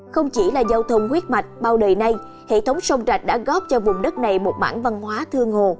không chỉ là giao thông huyết mạch bao đời nay hệ thống sông rạch đã góp cho vùng đất này một bản văn hóa thương hồ